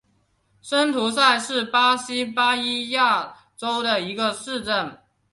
森图塞是巴西巴伊亚州的一个市镇。